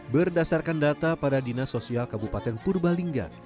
berdasarkan data pada dinas sosial kabupaten purbalingga